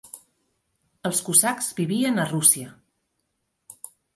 Els cosacs vivien a Rússia.